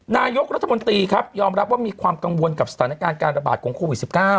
นายกรัฐมนตรีครับยอมรับว่ามีความกังวลกับสถานการณ์การระบาดของโควิด๑๙